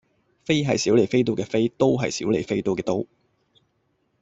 飛係小李飛刀嘅飛，刀係小李飛刀嘅刀